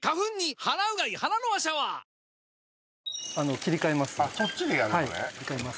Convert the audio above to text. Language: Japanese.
切り替えます